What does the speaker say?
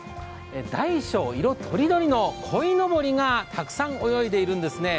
大小色とりどりのこいのぼりがたくさん泳いでいるんですね。